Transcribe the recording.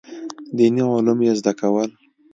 دیني علوم یې زده کول.